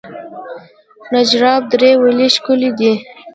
نجراب درې ولې ښکلې دي؟